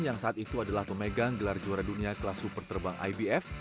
yang saat itu adalah pemegang gelar juara dunia kelas super terbang ibf